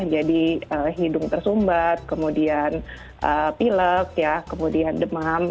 jadi hidung tersumbat kemudian pilek ya kemudian demam